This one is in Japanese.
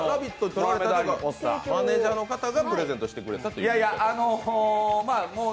というかマネージャーの方がプレゼントしてくださったという。